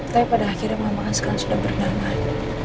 tapi pada akhirnya memang sekarang sudah berdamai